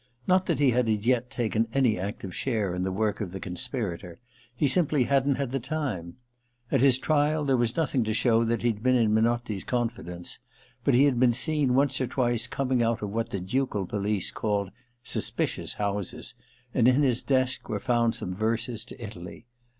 Not that he had as yet taken any active share in the work of the conspirators : he simply hadn't had time. At his trial there was nothing to show that he had been in Menotti's confidence ; but he had been seen once or twice coming out of what the ducal police called * suspicious ' houses, and in his desk were found some verses to Italy.